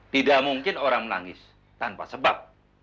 tidak mungkin orang menangis tanpa sebab